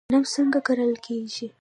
غنم څنګه کرل کیږي؟